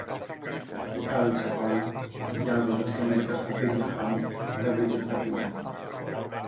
Σκάλισε πάλι, αδειάζοντας και μερικά σκουπίδια χάμω, μα δε βρήκε πια τίποτα